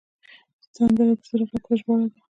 سندره د زړه غږ ته ژباړه ده